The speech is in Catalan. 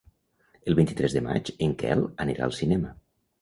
El vint-i-tres de maig en Quel anirà al cinema.